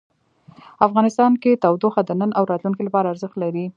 افغانستان کې تودوخه د نن او راتلونکي لپاره ارزښت لري.